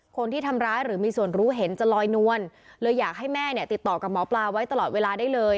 คนที่ทำร้ายหรือมีส่วนรู้เห็นจะลอยนวลเลยอยากให้แม่เนี่ยติดต่อกับหมอปลาไว้ตลอดเวลาได้เลย